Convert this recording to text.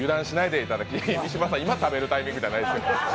三島さん、今食べるタイミングじゃないですよ。